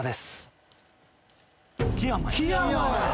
木山や！